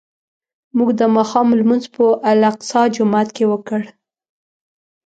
موږ د ماښام لمونځ په الاقصی جومات کې وکړ.